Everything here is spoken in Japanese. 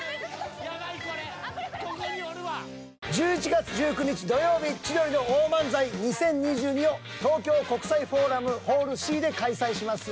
１１月１９日土曜日「千鳥の大漫才２０２２」を東京国際フォーラムホールＣで開催します。